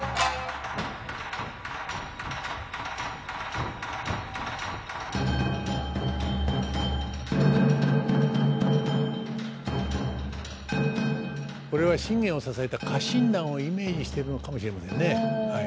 これは信玄を支えた家臣団をイメージしてるのかもしれませんね。